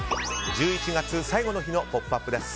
１１月最後の日の「ポップＵＰ！」です。